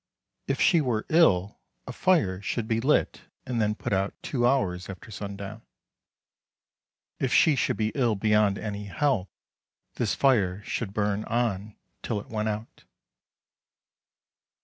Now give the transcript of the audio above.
If she were ill, a fire should be lit and then put out two hours after sundown. If she should be ill beyond any help, this fire should burn on till it went out.